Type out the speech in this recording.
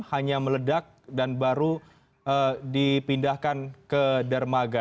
hanya meledak dan baru dipindahkan ke dermaga